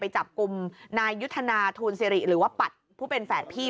จับกลุ่มนายยุทธนาทูลสิริหรือว่าปัดผู้เป็นแฝดพี่